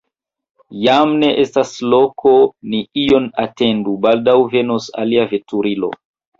Jam ne estas loko, ni iom atendu, baldaŭ venos alia veturilo.